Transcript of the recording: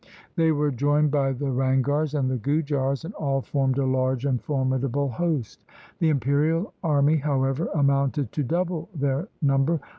They were joined by the Ranghars and the Gujars, LIFE OF GURU GOBIND SINGH 167 and all formed a large and formidable host. The imperial army, however, amounted to double their number.